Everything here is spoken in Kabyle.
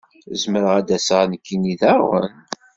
Zemreɣ ad aseɣ nekkini daɣen?